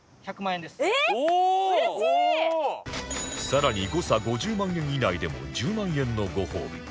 さらに誤差５０万円以内でも１０万円のご褒美